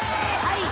はい！